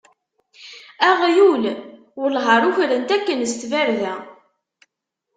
Aɣyul? Welleh ar ukren-t akken s tbarda!